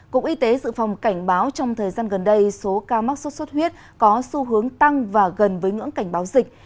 cục y tế dự phòng cảnh báo trong thời gian gần đây số ca mắc sốt xuất huyết có xu hướng tăng và gần với ngưỡng cảnh báo dịch